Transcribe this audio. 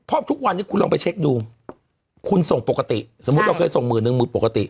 เพราะทุกวันนี้คุณลองไปเช็คดูคุณส่งปกติสมมุติเราเคยส่งหมื่นนึงหมื่นปกติ